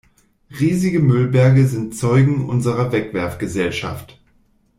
Riesige Müllberge sind Zeugen unserer Wegwerfgesellschaft.